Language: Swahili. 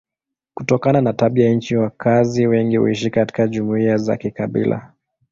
Kutokana na tabia ya nchi wakazi wengi huishi katika jumuiya za kikabila.